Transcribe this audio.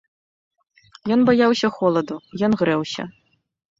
Ён баяўся холаду, ён грэўся.